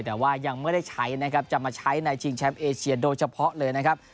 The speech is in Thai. แต่ว่ายังไม่ได้ใช้นะครับจะมาใช้ในชิงแชมป์เอเชียโดยเฉพาะเลยนะครับ